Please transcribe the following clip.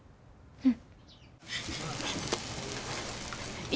うん。